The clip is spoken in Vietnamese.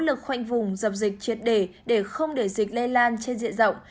nỗ lực khoanh vùng dập dịch triệt đề để không để dịch lây lan trên diện rộng